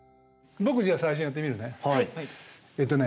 僕じゃあ最初やってみるね。